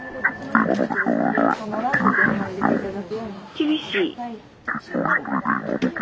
厳しい？